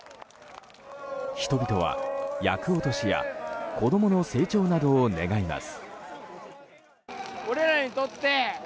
人々は厄落としや子供の成長などを願います。